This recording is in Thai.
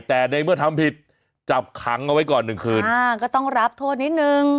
แต่ในเมื่อทำผิดจับขังเอาไว้ก่อนหนึ่งคืนอ่าก็ต้องรับโทษนิดนึง